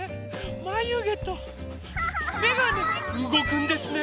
まゆげとめがねうごくんですね。